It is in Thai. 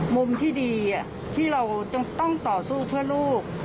มุมที่ดีที่เราต้องต่อสู้เพื่อลูก